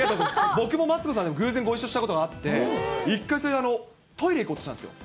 僕もマツコさんに偶然ご一緒したことがあって、一回それで、トイレご一緒したんですよ。